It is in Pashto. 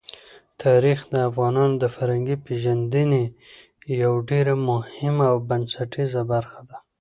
تاریخ د افغانانو د فرهنګي پیژندنې یوه ډېره مهمه او بنسټیزه برخه ده.